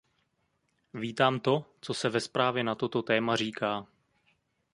Vítám to, co se ve zprávě na toto téma říká.